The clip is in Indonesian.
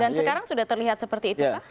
dan sekarang sudah terlihat seperti itu